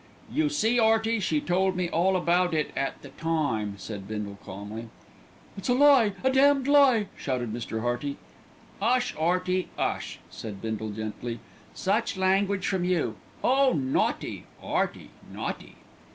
"You see, 'Earty, she told me all about it at the time," said Bindle calmly. "It's a lie, a damned lie!" shouted Mr. Hearty. "'Ush, 'Earty, 'ush!" said Bindle gently. "Such language from you! Oh, naughty! 'Earty, naughty!"